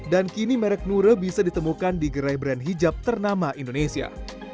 dan kini merek lure bisa ditemukan di gerai brand hijab ternama indonesia